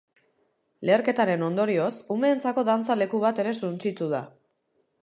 Leherketaren ondorioz, umeentzako dantza-leku bat ere suntsitu da.